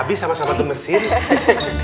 tapi sama sama gemesin